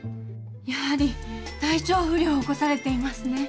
やはり体調不良を起こされていますね。